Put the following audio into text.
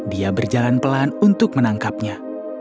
dia berjalan pelan untuk menangkapnya